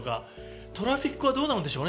トラフィックはどうなるんでしょうね？